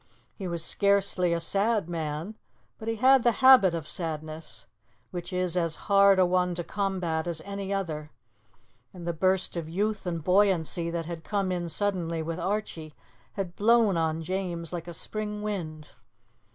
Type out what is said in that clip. He was scarcely a sad man, but he had the habit of sadness, which is as hard a one to combat as any other, and the burst of youth and buoyancy that had come in suddenly with Archie had blown on James like a spring wind.